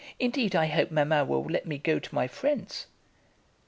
Indeed I hope Mamma will let me go to my friend's."